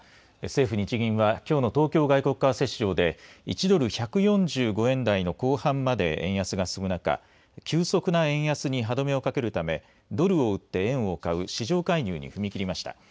政府、日銀はきょうの東京外国為替市場で１ドル１４５円台の後半まで円安が進む中、急速な円安に歯止めをかけるためドルを売って円を買う市場介入に踏み切りました。